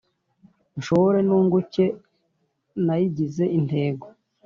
nshore nunguke nayigize intego.